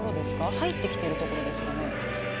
入ってきているところですかね。